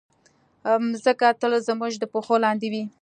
مځکه تل زموږ د پښو لاندې وي.